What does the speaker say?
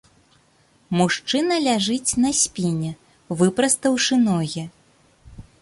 Мужчына ляжыць на спіне, выпрастаўшы ногі.